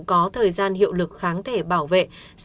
có thời gian hiệu lực kháng thể bảo vệ